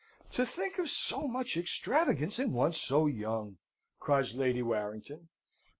"To think of so much extravagance in one so young!" cries Lady Warrington.